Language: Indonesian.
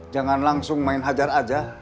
jangan langsung main hajar aja